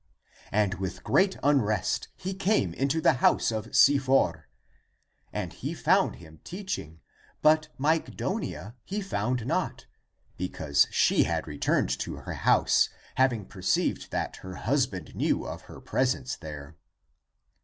And with great unrest he came into the house of Si for. And he found him teaching; but Mygdonia he found not, because she had returned to her house, having perceived that her husband knew of her presence there.